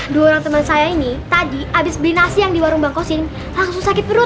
dua orang temen saya ini tadi abis beli nasi yang di warung bang koshin langsung sakit perut